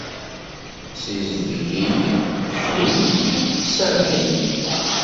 Ssizdeg-iyi! Bru-iyi! Serreḥ-iyi!